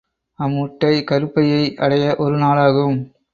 அம் முட்டை கருப்பையை அடைய ஒரு நாளாகும்.